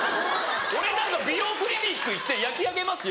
俺だから美容クリニック行って「焼き上げますよ。